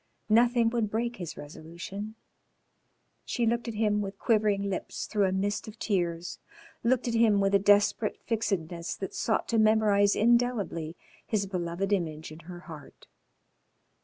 Nothing would break his resolution. She looked at him with quivering lips through a mist of tears, looked at him with a desperate fixedness that sought to memorise indelibly his beloved image in her heart.